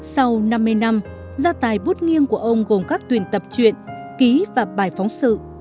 sau năm mươi năm gia tài bút nghiêng của ông gồm các tuyển tập truyện ký và bài phóng sự